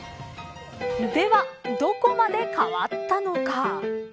では、どこまで変わったのか。